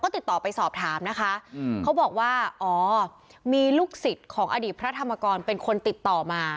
ติดต่อไปสอบถามนะคะเขาบอกว่าอ๋อมีลูกศิษย์ของอดีตพระธรรมกรเป็นคนติดต่อมา